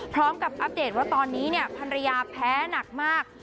อัปเดตว่าตอนนี้ภรรยาแพ้หนักมาก